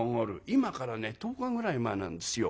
「今からね１０日ぐらい前なんですよ。